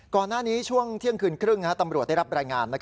ก่อนหน้านี้ช่วงเที่ยงคืนครึ่งตำรวจได้รับรายงาน